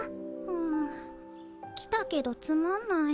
うん来たけどつまんない。